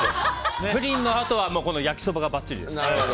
プリンのあとは焼きそばがばっちりです。